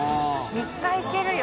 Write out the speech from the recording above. ３日いけるよ。